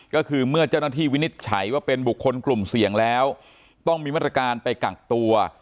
ก็คือเมื่อเจ้าหน้าที่วินิจฉัยว่าเป็นบุคคลกลุ่มเสี่ยงแล้วต้องมีมาตรการไปกักตัว